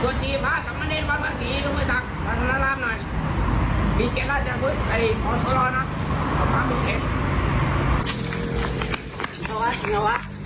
ศูนย์ชี้ภาคสักไม่เน่นว่าบัตรศรีต้องไว้สักเวลาของน่าร่ำหน่อยมีเก็ตล่าจะลืมไล่พส่มาร์ทลอดน่ะ